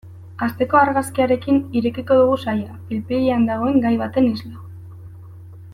Asteko argazkiarekin irekiko dugu saila, pil-pilean dagoen gai baten isla.